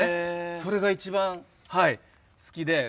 それが一番、好きで。